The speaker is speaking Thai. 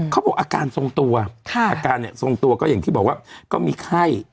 เขาบอกอาการทรงตัวก็อย่างที่บอกว่าก็มีไข้